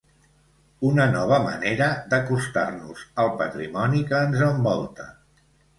Una nova manera d'acostar-nos al patrimoni que ens envolta.